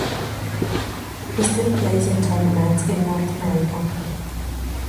He still plays in tournaments in North America.